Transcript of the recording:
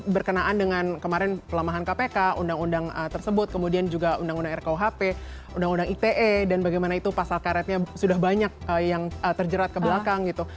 berkenaan dengan kemarin pelemahan kpk undang undang tersebut kemudian juga undang undang rkuhp undang undang ite dan bagaimana itu pasal karetnya sudah banyak yang terjerat ke belakang gitu